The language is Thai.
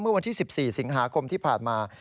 วันที่๑๔สิงหาคมที่ผ่านมา